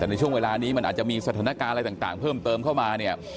แต่ในช่วงเวลานี้มันอาจจะมีสถานการณ์อะไรต่างเพิ่มเติมเข้ามาเนี่ย